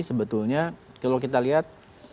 sebetulnya kalau kita lihat